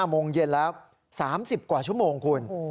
โมงเย็นแล้ว๓๐กว่าชั่วโมงคุณ